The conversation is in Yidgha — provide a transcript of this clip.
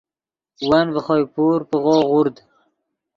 ون ڤے خوئے پور پیغو غورد